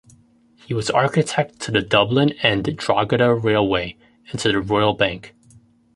He was architect to the Dublin and Drogheda Railway and to the Royal Bank.